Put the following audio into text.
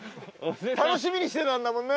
楽しみにしてたんだもんね。